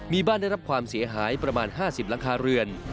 มีบ้านได้รับความเสียหายประมาณ๕๐หลังคาเรือน